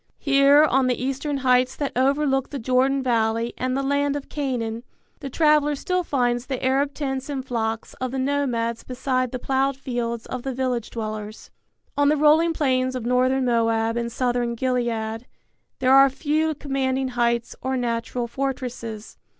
Here on the eastern heights that overlook the Jordan valley and the land of Canaan the traveller still finds the Arab tents and flocks of the nomads beside the plowed fields of the village dwellers. On the rolling plains of northern Moab and southern Gilead there are few commanding heights or natural fortresses.